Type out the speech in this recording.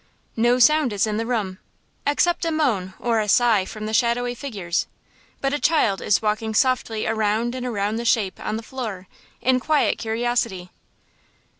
No sound is in the room, except a moan or a sigh from the shadowy figures; but a child is walking softly around and around the Shape on the floor, in quiet curiosity.